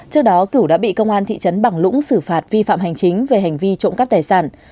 trước đó cửu đã bị công an thị trấn bằng lũng xử phạt vi phạm hành chính về hành vi trộm cắp tài sản